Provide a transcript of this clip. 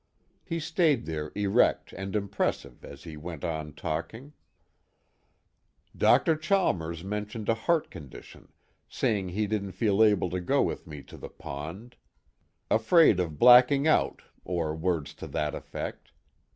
He stayed there erect and impressive as he went on talking: "Dr. Chalmers mentioned a heart condition, saying he didn't feel able to go with me to the pond; afraid of blacking out, or words to that effect.